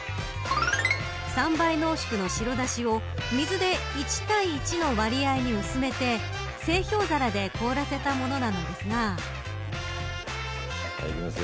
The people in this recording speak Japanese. ３倍濃縮の白だしを水で１対１の割合に薄めて製氷皿で凍らせたものなのですが。